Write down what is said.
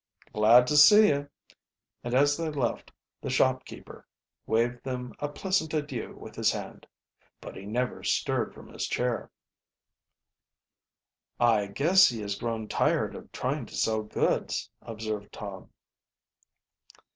"Glad to see you," and as they left the shopkeeper waved them a pleasant adieu with his hand. But he never stirred from his chair. "I guess he has grown tired of trying to sell goods," observed Tom.